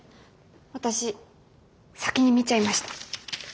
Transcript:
私先に見ちゃいました。